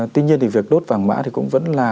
tuy nhiên thì việc đốt vàng mã thì cũng vẫn là